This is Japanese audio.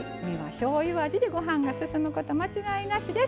しょうゆ味で、ご飯が進むこと間違いなしです。